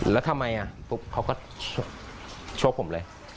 แล้วทำไมปุ๊บเขาก็ชกผมเลย